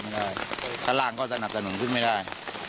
ข้างล่างก็จะหนับแต่หนึ่งขึ้นไม่ได้